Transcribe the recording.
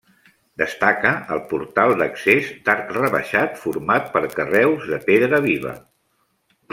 Destaca el portal d'accés d'arc rebaixat format per carreus de pedra viva.